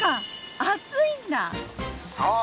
そう！